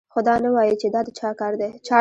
خو دا نه وايي چې دا د چا کار دی